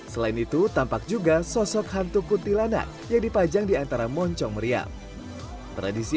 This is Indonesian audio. selain itu tampak juga sosok hantu kuntilanak yang dipajang diantara moncong meriam tradisi